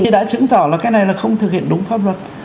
đã chứng tỏ là cái này là không thực hiện đúng pháp luật